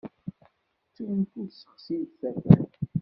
Ttunt ur ssexsin tafat.